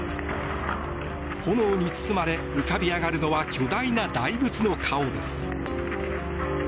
炎に包まれ、浮かび上がるのは巨大な大仏の顔です。